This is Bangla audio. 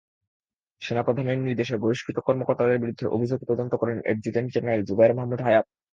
সেনাপ্রধানের নির্দেশে বহিষ্কৃত কর্মকর্তাদের বিরুদ্ধে অভিযোগ তদন্ত করেন অ্যাডজুটেন্ট জেনারেল জুবায়ের মাহমুদ হায়াত।